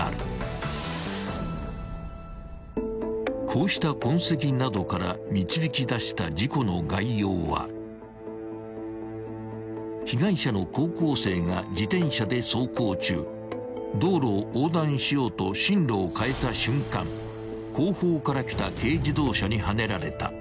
［こうした痕跡などから導き出した事故の概要は被害者の高校生が自転車で走行中道路を横断しようと進路を変えた瞬間後方から来た軽自動車にはねられた］